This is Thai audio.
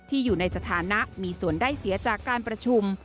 อยู่ในสถานะมีส่วนได้เสียจากการประชุม